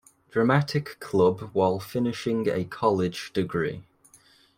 Dramatic Club while finishing a college degree.